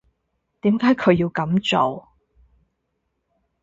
點解佢要噉做？